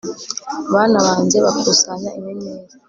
Bana banjye bakusanya inyenyeri